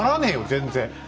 全然。